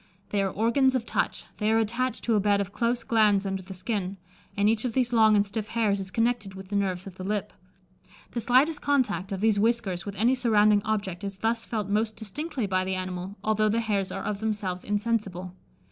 They are organs of touch; they are attached to a bed of close glands under the skin; and each of these long and stiff hairs is connected with the nerves of the lip. The slightest contact of these whiskers with any surrounding object is thus felt most distinctly by the animal, although the hairs are of themselves insensible.